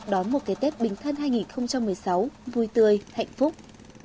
đón một cái tết bình thân hai nghìn một mươi sáu vui tươi hạnh phúc